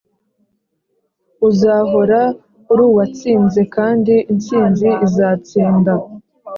uzahora uri uwatsinze, kandi intsinzi izatsinda.